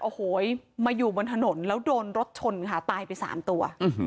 โอ้โหมาอยู่บนถนนแล้วโดนรถชนค่ะตายไป๓ตัว